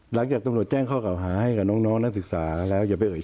หลังจากตำรวจแจ้งเข้าข่าวหาให้กับน้องนักศึกษาแล้ว